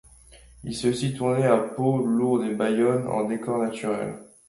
Il s'est aussi tourné à Pau, Lourdes et Bayonne en décors naturels.